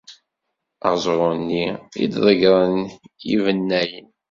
Aẓru-nni i ḍeggren yibennayen.